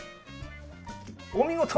お見事！